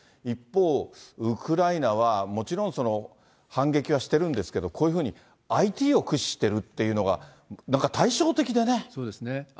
一方、ウクライナは、もちろん反撃はしてるんですけれども、こういうふうに、ＩＴを駆使してるっていうのが、そうですね。